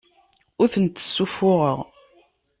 Ur tent-ssuffuɣeɣ.